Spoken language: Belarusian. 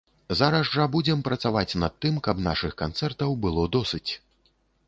Зараз жа будзем працаваць над тым, каб нашых канцэртаў было досыць!